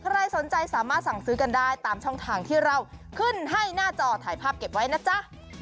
ใครสนใจสามารถสั่งซื้อกันได้ตามช่องทางที่เราขึ้นให้หน้าจอถ่ายภาพเก็บไว้นะจ๊ะ